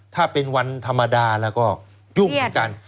ถ้าเป็นวันธรรมดาแล้วก็ยุ่งเหมือนกัน